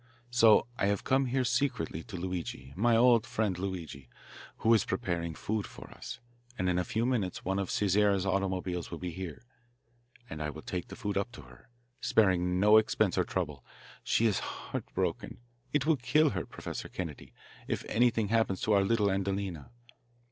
So I have come here secretly to Luigi, my old friend Luigi, who is preparing food for us, and in a few minutes one of Cesare's automobiles will be here, and I will take the food up to her sparing no expense or trouble. She is heart broken. It will kill her, Professor Kennedy, if anything happens to our little Adelina.